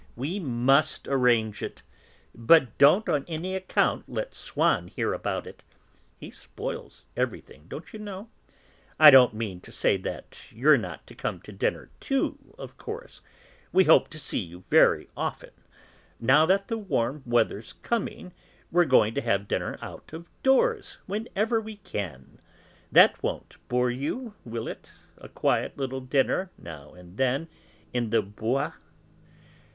We must arrange it, but don't on any account let Swann hear about it. He spoils everything, don't you know. I don't mean to say that you're not to come to dinner too, of course; we hope to see you very often. Now that the warm weather's coming, we're going to have dinner out of doors whenever we can. That won't bore you, will it, a quiet little dinner, now and then, in the Bois?